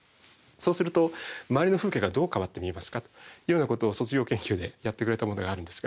そうすると周りの風景がどう変わって見えますかというようなことを卒業研究でやってくれたものがあるんですが。